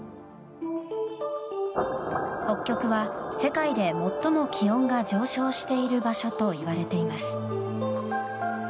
北極は世界で最も気温が上昇している場所といわれています。